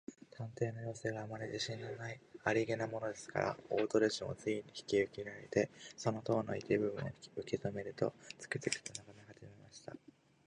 探偵のようすが、あまり自信ありげだものですから、大鳥氏もつい引きいれられて、その塔の一部分を受けとると、つくづくとながめはじめました。